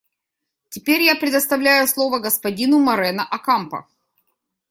Теперь я предоставляю слово господину Морено Окампо.